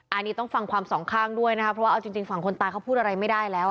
อันนี้ต้องฟังความสองข้างด้วยนะคะเพราะว่าเอาจริงฝั่งคนตายเขาพูดอะไรไม่ได้แล้ว